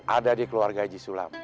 ada di keluarga haji sulam